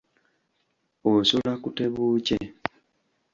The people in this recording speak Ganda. Osula ku tebuukye.